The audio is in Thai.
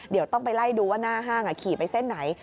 เดี๋ยวต้องไปไล่ดูว่าหน้าห้างขี่ไปเส้นไหน